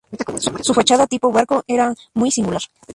Su fachada tipo Barco era muy singular.